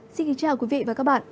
xin kính chào quý vị và các bạn